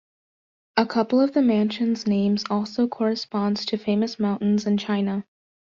A couple of the mansion's names also corresponds to famous mountains in China.